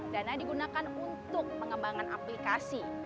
dana digunakan untuk pengembangan aplikasi